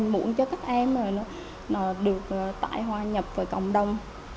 mũn cho các em rồi nó được tại hòa nhập với cộng đồng